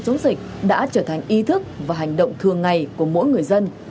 chống dịch đã trở thành ý thức và hành động thường ngày của mỗi người dân